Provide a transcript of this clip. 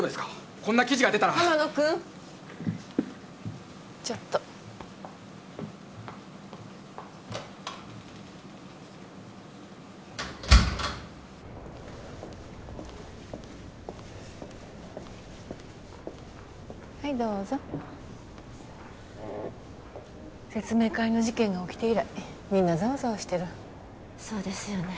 こんな記事が出たら浜野君ちょっとはいどうぞ説明会の事件が起きて以来みんなザワザワしてるそうですよね